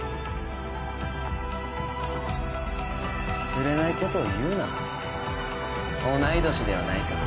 つれないことを言うな同い年ではないかうぅ。